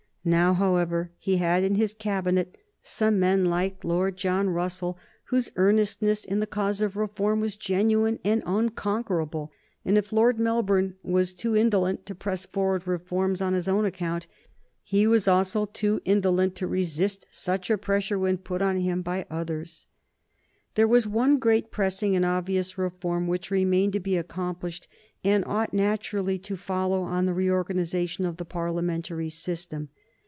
Now, however, he had in his Cabinet some men, like Lord John Russell, whose earnestness in the cause of Reform was genuine and unconquerable; and if Lord Melbourne was too indolent to press forward reforms on his own account, he was also too indolent to resist such a pressure when put on him by others. [Sidenote: 1835 Foundation of municipal bodies] There was one great pressing and obvious reform which remained to be accomplished and ought naturally to follow on the reorganization of the Parliamentary system.